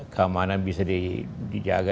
keamanan bisa dijaga